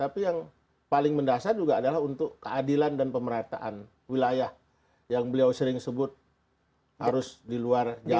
tapi yang paling mendasar juga adalah untuk keadilan dan pemerataan wilayah yang beliau sering sebut harus di luar jawa